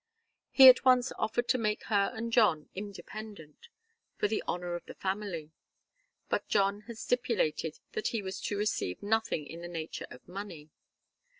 He at once offered to make her and John independent for the honour of the family; but John had stipulated that he was to receive nothing of the nature of money.